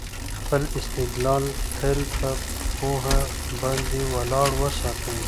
خپل استدلال تل په پوهه باندې ولاړ وساتئ.